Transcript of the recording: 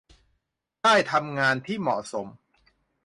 ได้ทำงานที่เหมาะสม